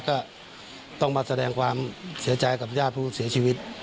ก็ต้องมาแสดงความเสียใจกับญาติผู้เสียชีวิต